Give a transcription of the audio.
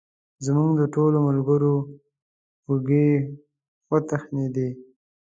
زموږ د ټولو ملګرو اوږې وتخنېدې.